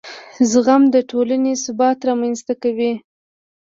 زغم د ټولنې ثبات رامنځته کوي.